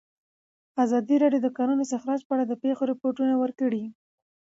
ازادي راډیو د د کانونو استخراج په اړه د پېښو رپوټونه ورکړي.